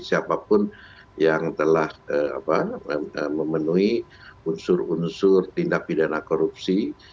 siapapun yang telah memenuhi unsur unsur tindak pidana korupsi